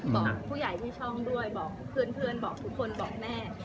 บอกผู้ใหญ่ที่ช่องด้วยบอกเพื่อนบอกทุกคนบอกแม่